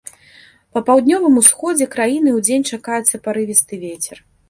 Па паўднёвым усходзе краіны удзень чакаецца парывісты вецер.